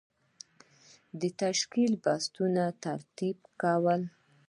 د تشکیل او بستونو ترتیب کول.